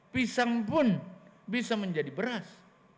pisang pun bisa menjadi beras